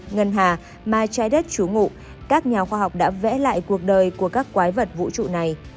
ngân hà mà trái đất chúa ngự các nhà khoa học đã vẽ lại cuộc đời của các quái vật vũ trụ này